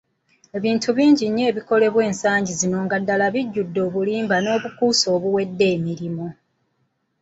Ebintu bingi nnyo ebikolebwa ensangi zino nga ddala bijjudde obulimba n'obukuusa obuwedde emirimu.